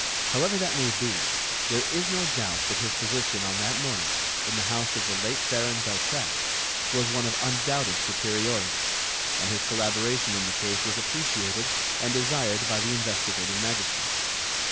However that may be, there is no doubt that his position on that morning, in the house of the late Baron d'Hautrec, was one of undoubted superiority, and his collaboration in the case was appreciated and desired by the investigating magistrate.